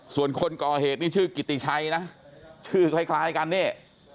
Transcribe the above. ส่วนคนก่อเหตุนี่ชื่อกิติชัยนะชื่อคล้ายกันนี่